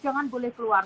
jangan boleh keluar